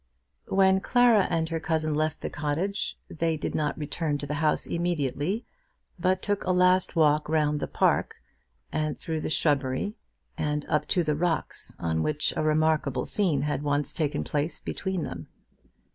When Clara and her cousin left the cottage they did not return to the house immediately, but took a last walk round the park, and through the shrubbery, and up to the rocks on which a remarkable scene had once taken place between them.